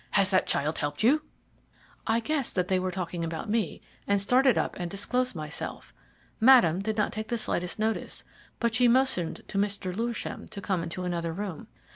Has that child helped you?' "I guessed that they were talking about me, and started up and disclosed myself. Madame did not take the slightest notice, but she motioned to Mr. Lewisham to come into another room.